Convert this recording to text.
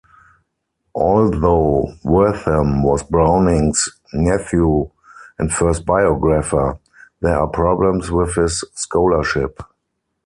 Although Wortham was Browning's nephew and first biographer, there are problems with his scholarship.